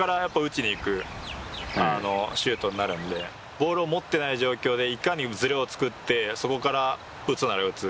ボールを持ってない状況でいかにずれを作ってそこから打つなら打つ。